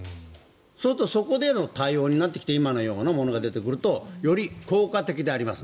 それとそこでの対応になってきて今のようなものが出てくるとより効果的であります。